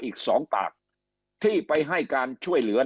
อีก๒ปากที่ไปให้การช่วยเหลือ